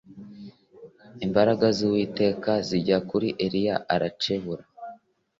Imbaraga z Uwiteka zijya kuri Eliya aracebura